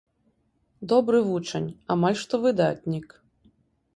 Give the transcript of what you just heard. Добры вучань, амаль што выдатнік.